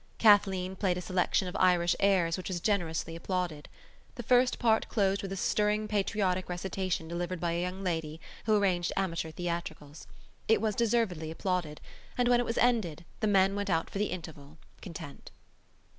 Kathleen played a selection of Irish airs which was generously applauded. The first part closed with a stirring patriotic recitation delivered by a young lady who arranged amateur theatricals. It was deservedly applauded; and, when it was ended, the men went out for the interval, content.